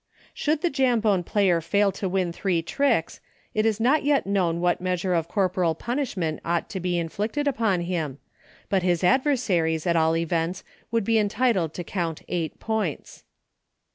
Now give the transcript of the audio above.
Should the Jambone player fail to win three tricks, it is not yet known what mea sure of corporal punishment ought to bo inflicted upon him, but his adversaries, at all events, would be entitled to count eight points.